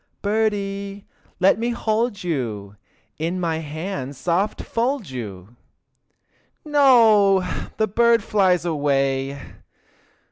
Birdie, let me hold you, In my hands soft fold you! No! the birdie flies away!